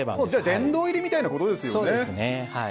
殿堂入りみたいなことですよね。